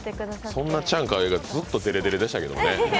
そんなチャンカワイがずっとデレデレでしたけどね。